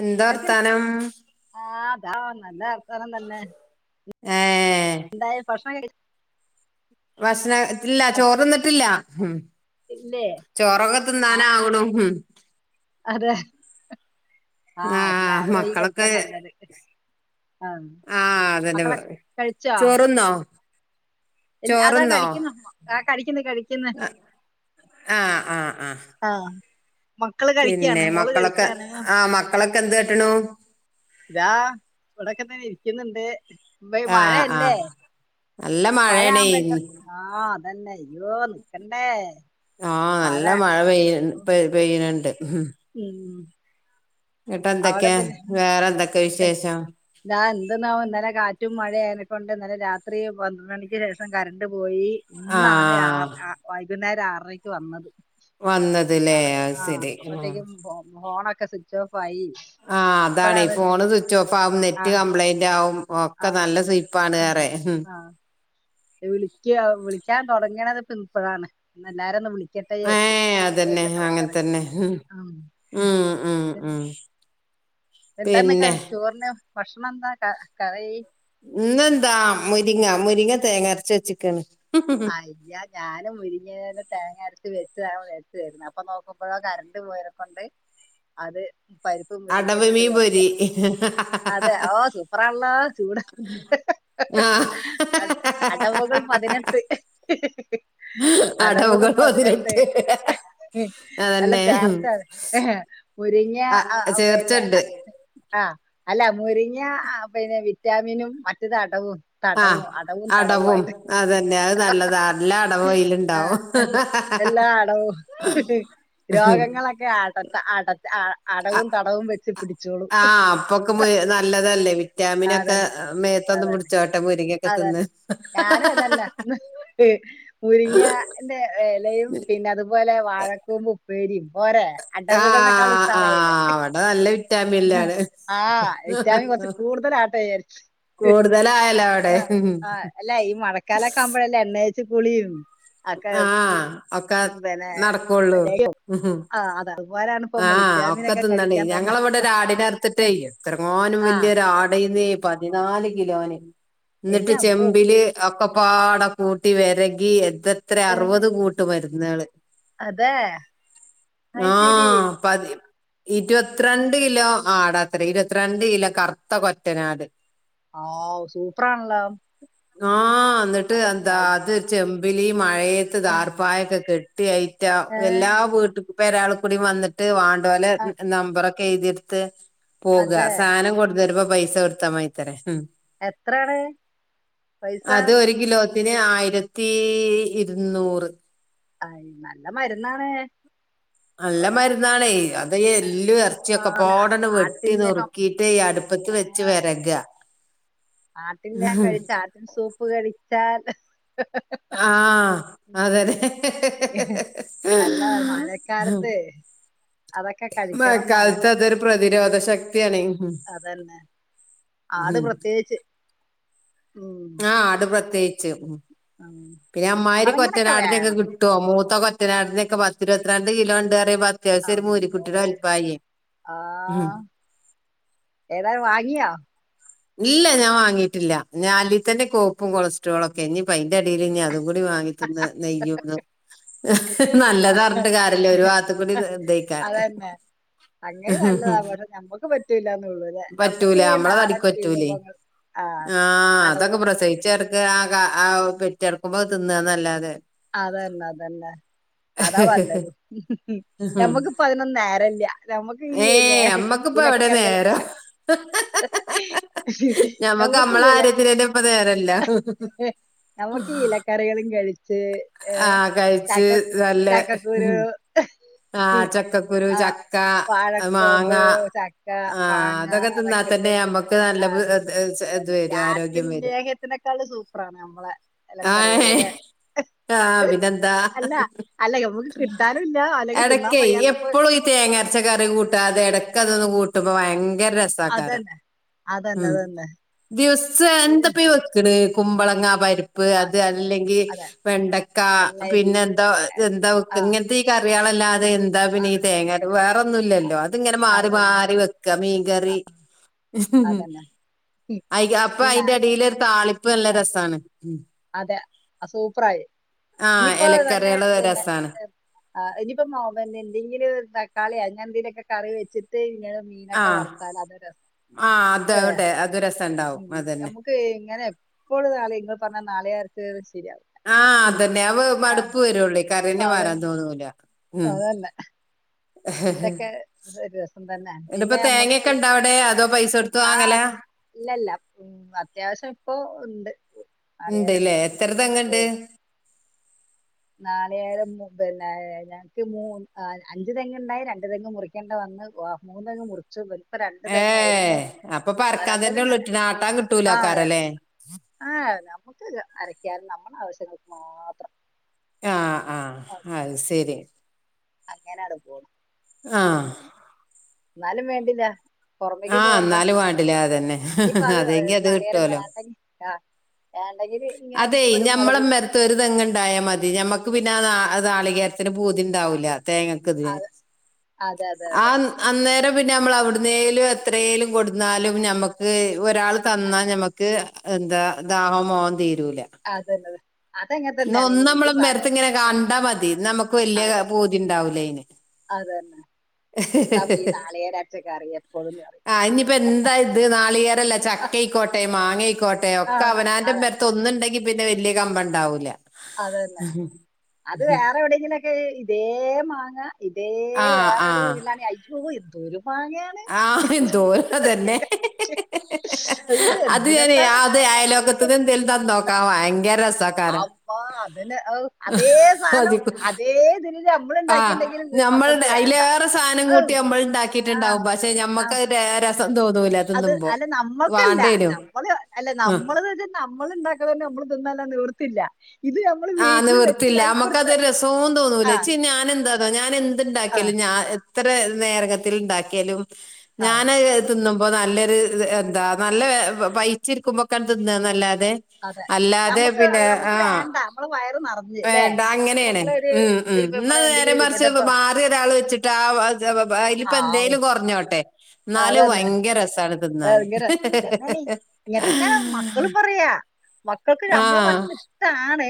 എന്താ കേക്ക വർത്താനം ആഹ് നല്ല അവർത്താനം തന്നെ. ഏ എന്തായി ഭക്ഷണം കഴിച്ച ഭക്ഷണതില്ല ചോറിന്നിട്ടില്ല. ഇല്ലേ ആ ചോറക്കത്ത്ന്നാനാകുണ്‌. അതെ ആ ആഹഅത് വേറെ വയി മക്കളൊക്കെ കഴിക്കാ നല്ലത്. ആ ആ അതന്നെ മക്കളെ പറ- കഴിച്ചാ? ചോറുന്നോ ഇല്ല അതാ ചോറുന്നോ കഴിക്കുന്നു ആ കഴിക്കുന്നു കഴിക്കന്ന്. ആ ആ ആ ആ പിന്നെ മക്കളൊക്കെ ആ മക്കളൊക്കെ എന്ത് ക്കാട്ടണു? ഇതാ ഇവിടെക്കെ തെന്നേ ഇരിക്കുന്നുണ്ട് ഇപ്പൊ ഇ ആ ആ മഴയല്ലേ. നല്ല മഴ മഴയാണേ ആവുമ്പോൾ [unintelligible] ആ അതന്നെ അയ്യോ നക്കണ്ടേ ആ നല്ല മഴ പെയ്യ പെയ പെയ്യുന്നുണ്ട്. ഉം ന്നിട്ട് അവിടെ എന്തൊക്കെ പിന്നെ വേറെ എന്തൊക്കെ വിശേഷം? [unintelligible] എന്തെന്നാവോ ഇന്നലെ കാറ്റും [inaudible] [inaudible] കൊണ്ട് ഇന്നലെ രാത്രി പന്ത്രണ്ട് മണിക്ക് ശേഷം കരണ്ട് പോയി ഇന്നാണ് ആ [unintelligible] വൈകുന്നേരം ആറരക്ക് വന്നത്. [unintelligible] വന്നത്ല്ലെ അത് ആഹ് ശരി. ഹമ് അപ്പത്തേക്കും ഫോ [unintelligible] സ്വിച്ച് ഓഫ് ആയി. ആ അതാണ് ഈ ഇപ്പഴാണ് ഞാൻ ഫോണ് സ്വിച്ച് ഓഫ് ആാവും നെറ്റ് ആഹ് കംപ്ലൈന്റ് ആവും. ഒക്കെ ആഹ് നല്ല സുയിപ്പാണ് ഏറേ. [unintelligible] വിളിക്യോ വിളിക്കാൻ തുടങ്ങിണത് [unintelligible] ഇപ്പോഴാണ് എല്ലാരും ഒന്ന് [unintelligible] ഏ അതന്നെ വിശേഷങ്ങളൊക്കെ അങ്ങനെ അറിയാൻ തന്നെ ഉ ഉം ഉ ഉ എന്താന്ന് [unintelligible] ചോറിന് ഭക്ഷണം എന്താ ക കറി. ഇന്നെന്താ മുരിങ്ങ മുരിങ്ങ തേങ്ങ അരച്ച് വെച്ച്ക്കണ് അല്ല ഞാനും മുരിങ്ങിയ തേങ്ങ അരച്ച് [unintelligible] [unintelligible] അപ്പൊ നോക്കുമ്പ കരണ്ട് പോയേനക്കൊണ്ട് അത് പരിപ്പും മുരിങ്ങ അടവ് ഇട്ടിട്ട് മീൻ വെറ്തെ പൊരി അതെ ഓ സൂപ്പറാണല്ലോ ചൂട് [inaudible] ആ [unintelligible] അടവുകൾ പതിനെട്ട്. ഹ ഹ [unintelligible] അടവുകൾ പതിനെട്ട്. [unintelligible] ഉം അതന്നെ നല്ല [unintelligible] മുരിങ്ങി ആഹ് ആ പിന്നെ ചേർച്ചണ്ട് [unintelligible] ആഹ അല്ല മുരിങ്ങ ആഹ പിന്നെ വിറ്റാമിനും മറ്റത് അടവും. ആഹ് തടവും അടവും തടവും ആയിട്ട് അതന്നെ അത് നല്ലതാ [unintelligible] നല്ല അടവ് അയിലുണ്ടാവും ആഹ എല്ലാ അടവും. ഹ് ഹ് രോഗങ്ങളൊക്കെ [unintelligible] അടവും തടവും വെച്ച് [unintelligible] ആഹ [unintelligible] നല്ലതല്ലേ [inaudible] വിറ്റാമിനൊക്കെ അതന്നെ മേത്തൊന്ന് അതന്നെ മുടിച്ചോട്ടെ മുരിങ്ങയൊക്കെ അതന്നെ തിന്ന് ഹഹഹ മുരിങ്ങാന്റെ ഇലയും പിന്നെ അതുപോലെ വാഴകൂമ്പ് ഉപ്പേരിയും. പോരെ അടവുകൾനേക്കാൾ ആഹ് ഉസാറായിലെ ആഹ് അവിടെ നല്ല ഹ വിറ്റാമിനിലാണ് [inaudible] ആ വിറ്റാമിൻ കൊർച് കൂടുതലാ കൂടുതലായാൽ ആ് ആ അല്ല ഈ മഴക്കാലൊക്കമ്പഴല്ലേ എണ്ണേച് കുളീം ആഹ് ഒക്കെ നടക്കൊള്ളൂ മ്മ്ഹ് ആ അത് അതുപോലാണ് ഇപ്പൊ നമ്മള് ആഹ് വിറ്റാമിൻ ഒക്കെ കഴിക്കാൻ തിന്നണെയ് തുടങ്ങ ഞങ്ങളവിടെരാടിനറുത്തിട്ടേയ് എത്രങ്ങാനും ആ വല്യരാട് [unintelligible] പതിനാല് കിലോന് എന്റെ ന്നട്ട് അമ്പോ ചെമ്പില് ഒക്ക ഒക്കപ്പാട കൂട്ടി വെരകി എത്തത്രെ അർവത് കൂട്ട് മര്ന്നാള് അതെ അയ്ശരി [unintelligible] ഇര്‌വത്രണ്ട് കിലോ ആടതരേ ഇര്‌വത്രണ്ട് കിലോ കർത്ത കൊറ്റനാട് ആഉ സൂപ്രണല്ലോ ആഹ് ന്നട്ട് എന്താ അത് ചെമ്പിലീ മയേത്ത് ആ, ദാർപ്പായൊക്ക കെട്ടി യയി റ്റ ഏ എല്ലാ വീട്ട് പേരാൾക്കുടിം വന്നട്ട് വാണ്ടോലെ ആ നമ്പറൊ എയ്തിട്ത്ത് പോക അതെ സാനം കൊട്ന്നെരുമ്പോ പൈസൊട്ത്താമയ്ത്തരെ എത്രെണ് പൈസ പിനെ ആയിരത്തീ ഇര്ന്നൂറ് അ നല്ല മര്ന്നാണ് നല്ല മരുന്നാണേയ് അതയെ എല്ലു ആ എർച്യോക്കപാടണ് വെട്ടി ആട്ടിൻലേഹം നുർക്കീട്ടേയ് അട്പ്പത്ത് വെച്ച് വെരക ആട്ടിൻലേം കഴിച്ചാട്ടിൻ സൂപ്പ് കഴിച്ചാൽ ഹ ഹ് ഹ ഹം ആഹ് അതന്നെ ഹ ഹ ഹ ഹ ഹ അല്ല ഹ ഹ് ഹം മഴക്കാലത്ത് അതൊക്കെ കഴിക്കണം എന്നാണ് മയക്കാൽത്തതൊരു പ്രതിരോധ ശക്തിയണേയ് അതന്നെ ആട് പ്രത്യേച്ച് ആഹ് ആട് പ്രത്യേച്ച് ഉം പിന്നെ അമ്മായിരി അതങ്ങനൊക്കെ വേ കൊറ്റനാടിനൊക്കെ കിട്ട്വോ മൂത്തകൊറ്റനാടിനൊക്കെ പത്തിരത്രണ്ട് കിലോണ്ട് പത്യാവസ്യൊരു അമ്മോ മൂരിക്കുട്ടിടെ വാൽപ്പായെയ് ഹും ഏതാലും വാങ്യോ ഇല്ല ഞാവാങ്ങിട്ടില്ല ഞാ അല്ലെതന്നെ കോയ്പ്പും കൊളസ്ട്രോളൊക്കെ ഞ്ഞിപ്പയ്ന്റെടീല് പ്പം അതും കൂടി വാങ്ങിതിന്ന് നെയ്യൂതും ങ് ഹ ആ നല്ലതർഞ്ട്ട് കാരല്ല ഒരു വാത്ത്ക്കുടി ഇതേയ്ക്കാരം സംഗയി നല്ലതാ വടേ ഞമ്മക്ക് പറ്റൂലെന്നുള്ളൂ അല്ലെ പറ്റൂല ഞമ്മക്ക് അമ്മള നാടൻ തടിക്ക് പറ്റൂലേയ് വിഭവങ്ങൾ ആ ആഹ് അതൊക്കെ അടവും പ്രസവിച്ചടക്കണ ആ കാ ആ പെറ്റടക്കുമ്പോ തിന്നാനല്ലാതെ അതന്നതന്നെ അതാ പഞ്ഞത് ഞമ്മക്കിപ്പയ്നൊന്നും നേരല്ല്യ നമ്മക്ക് ഈ ല്ലേ പ്പ എവടെ നേര ഹ് ഹ ഹഹഹഹഹഹ നമുക്ക് ഈ ഇല ഞമ്മക്കമ്മളാര്യത്തിനന്നെപ്പ നേരല്ല ഞമ്മക്കീ ഇലക്കറിയാളും കയ്- ഹ് എ ആഹ് കഴിച്ച് ചാക്കക് നല്ല ചക്കക്കുരു ഹ് മം ആഹ് ചക്കക്കുരു ആഹ് ചക്ക മാങ്ങ വായക്കോമ്പ് ചക്ക ആഹ് മാങ്ങ അതൊക്കെ തിന്നാ തന്നെ അതൊക്കത്തെ നമ്മക്ക് ആ നല്ല ഇത് അതന്നെ ഈ വരും ആട്ടിൻ ആരോഗ്യം വരും ലേഹത്തിനെക്കൾ സൂപ്രാണ് നമ്മള എലക്കറികള് ആഹ് ലെ ആഹ് പിനെന്താ മ്മക്ക് കിട്ടാനുല്ല അല്ലെങ്കി തിന്നാൻ എടക്കെയ് വയ്യാത്തപ്പോ എപ്പോളു ഈ തേങ്ങരച്ച കറി കൂട്ടാതെ എടക്കതൊന്ന് കൂട്ടുമ്പയങ്കര ഗ്രസകാരം അതന്നെ അതന്നെ ഹം അതന്നെ ദിവാസോ സന്തപീ വെക്കണ് കുമ്പളങ്ങാ പരി പ്പ് അത് അതെ അല്ലെങ്കീ അതെ വെണ്ടക്കാ വെള്ളരി പിന്നെ ന്താ ന്താ വെക്കാ ആഹ് ങ്ങൻത്തെ ഈ കറി ല്ലാതെ എന്താ പിന്നെ യെ അതെ തേങ്ങ വേറൊന്നും ഇല്ലാല്ലോ അങ്ങനെ മാറി അതന്നെ മാറി വെക്ക്യാ മീ കറി അതന്നെ അയാ അപ്പം ഇന്ന് ആയിൻ്റെ എടെല് താളി പ്പ് നല്ലാ രെസാണ് അതെ ആ സൂപ്പറായി ആ ഇനി ഇപ്പോ തന്നെ ഇലക്കറികള് പിന്നെ രസാണ് ആാ ഇനി ഇപ്പോ [unintelligible] ഇനി പ്പം എന്തെങ്കിലും ഒര് തക്കാളി അങ്ങനെ എന്തേലിലൊക്കെ കറി വെച്ചിട്ട് ഇങ്ങനെ ആ മീനൊക്കെ വറ്ത്താൽ അത് രെസാ ആ യെ അതാവട്ടെ അത് രസണ്ടാവും ഉം അതന്നെ നമ്മക്ക് ഇങ്ങനെ എപ്പോളും [unintelligible] നിങ്ങള് പറഞ്ഞാ ആാ അത് തന്നെ അവ് ആ, മട്പ്പ് വെരുംളേ കറി തന്നെ പാ രാൻ തോന്നൂല്ലാ അതേ തന്നെ ഇതൊക്കെ ഒര് രെ സം തന്നെ എന്നിട്ടിപ്പ പിന്നെ തേങ്ങയൊക്കെ നമ്മക്ക് ഇണ്ട അവിടെ അതോ പൈസ കൊടുത്ത് ആാ വാങ്ങല ഇല്ല ഇല്ല ഉം അത്യാവിശ്യം പ്പം ഉണ്ട് ഉണ്ട് അല്ലേ നാളികേരണ്ട് എത്ര തെങ്ങേണ്ട് നാളികേരം പിന്നെഞ ങ്ങൾക് മൂ അഞ്ച് തെങ്ങ് ഒണ്ടായി രണ്ട് തെങ്ങ് മുറിക്കേണ്ട് വന്ന് മൂന്ന് തെങ്ങ് മുറിച് - ഇപ്പൊ രണ്ട് ഏഹ് തെങ്ങായിര്ന്നു അപ്പൊ പറക്കാൻ തന്നെ ഉള്ളൂ [unintelligible] ഇട്ടണ ആട്ടാൻ ആാ അതെ കിട്ടൂലാക്കാറല്ലേ ആാ നമ്മക്ക് അരക്കാനും നമ്മടെ ആവശ്യങ്ങൾക്ക് മാത്രം ആാ ആാ അത് സേരി അങ്ങനാട് [unintelligible] ആാ എന്നാലും വേണ്ടില്ലാ പോറമേക്ക് ആഹ് പോവണ്ട എന്നാലും വേണ്ടില്ല അതന്നെ ഇനി ഇപ്പം അത് അതെങ്കി നാളികേരം കിട്ടുവല്ലോ [unintelligible] ആാ അതെ ഞമ്മളെ മെത്ത് ഒര് തെങ്ങ് ഒണ്ടായാ മതി ഞമ്മ പിന്നെ ആാ നാളികേരത്തിന് പൂതി ഇണ്ടാവൂല്ല തേങ്ങാക്ക് അല്ലാ അത് അതെ അതെ ആാ അതെ അന്നേരം പിന്നെ നമ്മള് അവട്ന്നേല് എത്രേലും കൊട്ന്നാലും ഞമ്മക്ക് ഒരാള് തന്നാ ഞമ്മക്ക് എന്താ ഇതാണോ [unintelligible] അത് തന്നെ അത് ന്നോ ഒന്ന് നമ്മള് മെരത്ത് ഇങ്ങനെ കണ്ടാ മതി നമ്മക്ക് വല്ല്യാ അതെ പൂതി ഇണ്ടാവൂല്ലേ അതന്നെ എന്താ ഇപ്പം ഈ നാളികേരം അരച്ച കറിയ എപ്പോഴും [unintelligible] ആ ഇനി ഇപ്പോ എന്താ ഇത് നാളികേരല്ലാ ചക്കയിക്കോട്ടെ മാങ്ങയിക്കോട്ടെ ആ ഒക്കെ അവനാന്റെ അതെ പെരത്ത് ഒന്ന് ഒണ്ടാങ്കി പിന്നെ വല്ല്യ കമ്പം ഇണ്ടാവൂല്ല്യാ അതന്നെ അത് വേറെ എവിടെയെങ്കിലുക്കെ ഈ ഇതേ മാങ്ങാ ഇതേ ആ വേറെ എവടെയും ഇല്ല ഇയ്യോ എന്തോരും ആാ എന്തോര് അത് തന്നെ അത് എന്ത് അനെ രസാണ് ആത് കാണാൻ അയലോക്കത്ത എന്തേലും തന്ന് നോക്കാം ഭയങ്കര രെ [unintelligible] [unintelligible] ഔ അതേ സാധനം അതിപ്പോ അതേ ഇദില് നമ്മള് ഒണ്ടാക്കിണ്ടെങ്കിലും ന്ത്‌ മക്കക്ക് വേണ്ടാ സാനം കൂട്ടി നമ്മള് ഇണ്ടാക്കിയിട്ട് ഇണ്ടാവും പശെ ആ, ഞമ്മക്ക് അത് [unintelligible] അത് തിന്നുമ്പോ അല്ല നമ്മാക്കല്ലാ വാണ്ടേനു നമ്മള് അല്ല ആ നമ്മള് ഇത് നമ്മ നമ്മള ഇണ്ടാക്ക്ന്നത് നമ്മള് തിന്നാല്ല നിവർത്തില്ലാ ആാ നിവർത്തില്ല ഞമ്മക്ക് അത് രെസോം ആ തോന്നൂല്ലാ ച്ച് ഞാന് എന്താ ആ ഞാൻ എന്ത് ആ ഇണ്ടാക്കിയാലും ഞാ നേരകത്തിൽ ഇണ്ടാക്കിയാലും ആ ഞാനാ എ ഇതൊന്നും ഇപ്പോ നല്ലൊരു ഇത് എന്താ നല്ല [unintelligible] നല്ലാ അതെ അതെ അല്ലാതെ നമുക്ക് പിന്നെ നമുക്ക് ആാ വേണ്ട നമ്മളെ വയറ് നിറഞ്ഞ് അല്ലേ വേണ്ടാ അങ്ങനെയാണ് നമ്മളൊരു ഉം ഉം ഒരു ഇന്നാ നമ്മളെ നേരെ എന്തെങ്കിലും മറിച്ച് വിധ മാറി ഒരാള് വെച്ചിട്ട് ആ അത് ആ ഇപ്പാ അയില് ഇപ്പം ആവും എന്തേലും കൊറഞ്ഞാട്ടെ എന്നല് അതന്നെ ഭയങ്കര രെസാണ് ന്നാല്ല് ഭയങ്കര ഇതന്നെ മക്കക്ക് ഞമ്മടെ ഭക്ഷണം ഇഷ്ടാണ്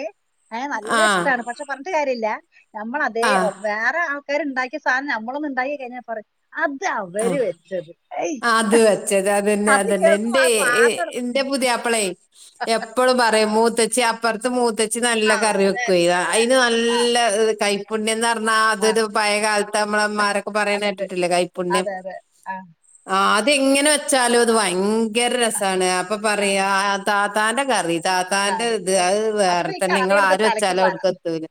യെ നല്ല ആഹ്. ഇഷ്ടാണ് പശെ പറഞ്ഞിട്ട് കാര്യയില്ല നമ്മള് അതെ ഓ ആഹ്. വേറെ ആള്ക്കാര് ഇണ്ടാക്കിയ സാധനം നമ്മളൊന്ന് ഇണ്ടാക്കി കഴിഞ്ഞാ പറ അത് ആഹ്. അവര് ആഹ് വെച്ചത് അയ് അത് ഹ വെച്ചത് അതന്നെ അതന്നെ എന്റെ എടുത്ത് എന്റെ പുതിയപ്പളേ എപ്പളും പറയും മൂത്തച്ചി അപ്പുറത്ത് മൂത്ത ജ് നല്ല ആ കറി അതെ വെക്ക [unintelligible] അയിന് ആ നല്ല കൈപ്പുണ്ന്ന് പറഞ്ഞാൽ ആ അതൊരു പഴയാക്കാല നമ്മളമ്മമാരൊക്കെ പറയിണ എന്നിട്ട് കേട്ടിട്ടില്ലേ കൈ അതെ അതെ അ ആ അതെങ്ങനെ വെച്ചാലും അത് ഭയങ്കര രസാണ് അപ്പൊ പറയാ ആ താത്താന്റെ കറി താത്താന്റെ കറി ഇത് ആ. അത് അപ്പൊ വേറെ ഈ തന്നെ കറി ങ്ങൾ എടുത്ത് ആരു തലയ്ക്ക് വെച്ചാലോ അവിടുക്ക് പരന്നു എത്തൂല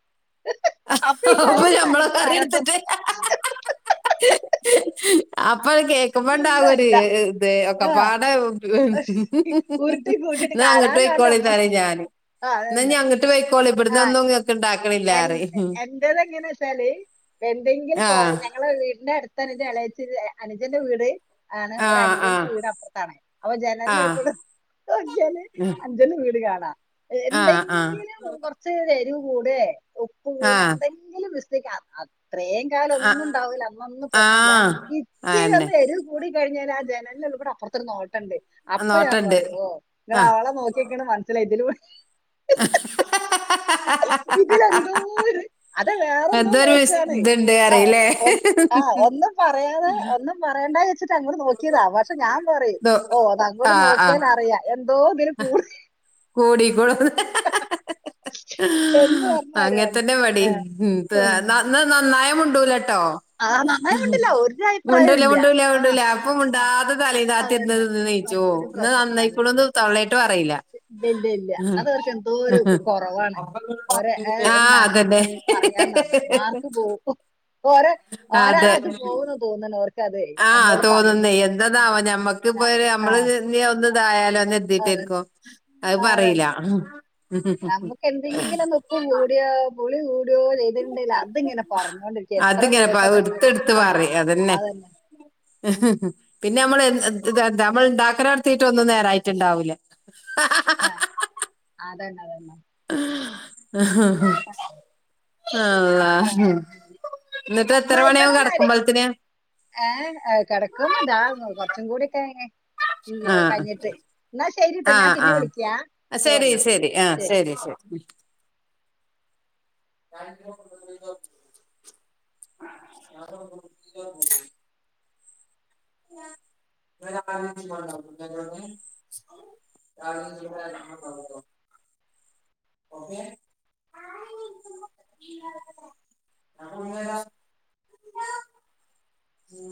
ഈ കറി അപ്പൊ എടുത്ത് മ്മള തലയ്ക്ക് കറി പരന്നു എടുത്തിട്ടേ അപ്പ് അപ്പൊ കേൾക്കുമ്പോണ്ടാകും ഒരു ഇന്നല്ല ഇത് ആ ഒക്കെപ്പാടെ ഉരുട്ടി കൂട്ടിട്ട് എന്ന അങ്ങട്ട് കാലാകാലം പൊയ്ക്കോളിന്നെ നമ്മൾ പറയും ഞാന് ആ അതന്നെ ന്നാഞങ്ങട്ട് പൊയ്ക്കോളി ഇവിടന്ന് ആ ഒന്നുംണ്ടാക്ക എ എന്തന്ന്എങ്ങാ വെച്ചാല് എന്തെങ്കിലും ആ കൊറവ ഞങ്ങള് വീ എന്റെ അടുത്ത് അനിജളച്ച അനുജന്റെ വീട് [inaudible] ആണ് ആ ഒരു ആ അനുജന്റെ വീട്പ്പറത്താണ് അപ്പൊ ആ ജനലനാത്തൂടെ നോക്കിയാല് ഉം. അഞ്ജന് വീട് കാണ ആ ആ എന്തെങ്കിലും കുറച്ച് എരിവ് കൂടെ ഉപ്പ് ആ കൂട എന്തെങ്കിലും അത്രേയും കാലം ഒന്നും ആ ഉണ്ടാവൂല്ല അന്നൊന്നും പ്രശ്നമല്ല ആഹ് ഇച്ചിരി അയെന്നെ ഒന്ന് എരിവ കൂടി കഴിഞ്ഞാൽ ആ ജനലുള്ളികൂടെ അപ്പറത്ത് നോട്ടണ്ടണ്ട് അപ്പ ഞാൻ നോട്ടണ്ട് പറയും ഓ ങ്ങള് ആഹ് അവളെ നോക്കിക്കണേ മനസ്സിലായിതിലു [unintelligible] ഇതില എന്തോരു അത വേറെന്തോ അതൊരു നോക്കാണ് ഇത്ണ്ട് ആ അറിയില്ലേ ഓ ആ ഒന്നും പറയാതെ ഒന്നും പറയേണ്ട വെച്ചി അങ്ങോട് നോക്കിയതാ പക്ഷെ ഞാൻ പറയും ദോ ഓ അത അങ്ങോട്ട് ആഹ് നോക്കിയാ ആഹ് അറിയാം എന്തോ പോ- കോടി കൊ എന്ന് പറഞ്ഞ ആരാണ് അങ്ങനെത്തന്നെ ആ, ഇവടിം ഉം. നന്ന് നന്നായ മുണ്ടൂല ട്ടോ ആ നന്നായി കണ്ടില്ല ഒരു അഭിപ്രായം മുണ്ടൂല ഇല്ല മുണ്ടൂല ആ മുണ്ടൂല ആ അപ്പ മുണ്ടാത തല അതന്നെ താത്തിരുന്നന്ന് തിന്നീച്ചുവോ അവർക്ക് ഓ ഒരു ഇന്ന് പ്രശ്നം അതന്നെ നന്നായിക്കൊളന്ന് തോള്ളായിട്ട് പറയില്ല ഇല്ല ഇല്ല അതവർക്ക് എന്തോ ഒരു കുറവാണ് ഒരു ആഹ് നഷ്ട അതന്നെ പറയാ മാർക്ക് പോ ഓ ഓരാ ഇത് പോകന്ന തോന്ന ർക്ക് ആ തോന്നുന്നേ എന്തന്നാ താവാ ഞമ്മക്ക്പ്പോ ആ നമ്മള് ഒന്ന ഇതായാലോ എന്ന് ആ കരുതിട്ടായിരിക്കോ അത് പറയില അതന്നെ നമുക്ക് അത് ഇങ്ങനെ പറഞ്ഞോണ്ടിരിക്ക എത്ര അതിങ്ങനെ പ ദിവസം അത്ണ്ടാല എടുത്തെടുത്ത് അ പറയും അതന്നെ പിന്നെ നമ്മൾ നമ്മൾ ഉണ്ടാക്കൽ തൊടത്തിയിട്ട് ഒന്നും നേരായിട്ടുണ്ടാവൂല ആ അതന്നെ അതന്നെ ആ ആ ഹ ഹ ആ, ഇന്നിട്ട് എത്ര മണിയകും കിടക്കുമ്പോൾ തിന്ന് ഏ കിടക്കുമ്പോ ഇതാന്നു കൊറച്ചും കൂടിക്കെ കെ ഉ ആഹ് കഴിഞ്ഞിട്ട് എന്നാ ശരിട്ടോ ഞാൻ ആഹ് പിന്നെ ആഹ് വിളിക്കയാ ശരി ശരി ആഹ ശരി ശരി [unintelligible] ഓക്കെ [unintelligible] ഉം